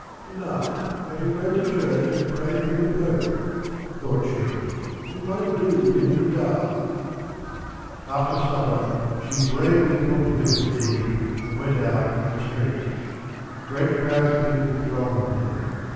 "To night I shall go to church and pray for the Pope," thought she. "It won't do for him to die." After supper she bravely conquered her fatigue and went out on the streets. Great crowds of people thronged there.